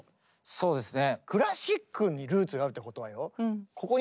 そうですね。